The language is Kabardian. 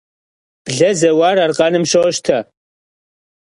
Ble zeuar arkhenım şoşte.